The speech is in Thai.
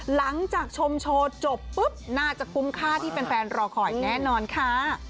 หลังจากชมโชว์จบปุ๊บน่าจะคุ้มค่าที่แฟนรอคอยแน่นอนค่ะ